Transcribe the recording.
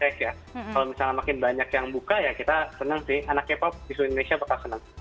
kalau misalnya makin banyak yang buka ya kita senang sih anak k pop isu indonesia bakal senang